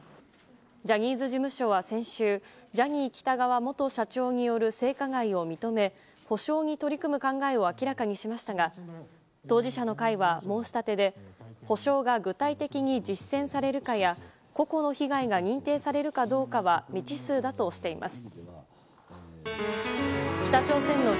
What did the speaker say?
ジャニーズ事務所は先週ジャニー喜多川元社長による性加害を認め補償に取り組む考えを明らかにしましたが当事者の会は、申し立てで補償が具体的に実践されるかや個々の被害が認定されるかどうかは未知数だとしています。